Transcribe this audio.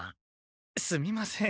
すみません。